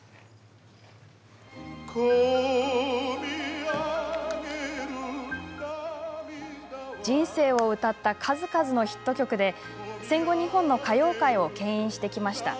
「こみあげる涙は」人生を歌った数々のヒット曲で戦後、日本の歌謡界をけん引してきました。